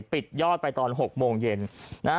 ปิดยอดไปตอน๖โมงเย็น